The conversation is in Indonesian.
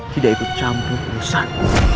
tidak itu campur perhiasan